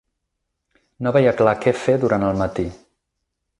No veia clar què fer durant el matí.